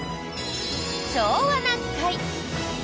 「昭和な会」。